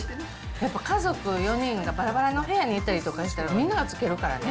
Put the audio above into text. やっぱ家族４人がばらばらの部屋にいたりとかしたら、みんながつけるからね。